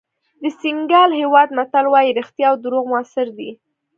د سینیګال هېواد متل وایي رښتیا او دروغ موثر دي.